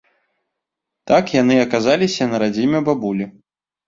Так яны аказаліся на радзіме бабулі.